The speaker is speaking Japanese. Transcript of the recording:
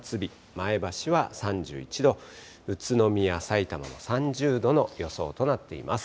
前橋は３１度、宇都宮、さいたまも３０度の予想となっています。